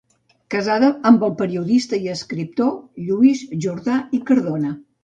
Casada amb el periodista i escriptor Lluís Jordà i Cardona.